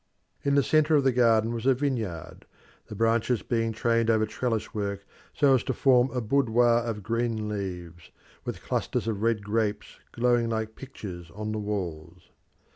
In the centre of the garden was a vineyard, the branches being trained over trellis work so as to form a boudoir of green leaves, with clusters of red grapes glowing like pictures on the walls.